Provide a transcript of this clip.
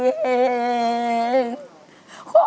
พ่อสาว